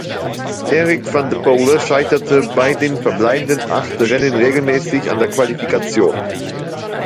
Eric van de Poele scheiterte bei den verbleibenden acht Rennen regelmäßig an der Qualifikation.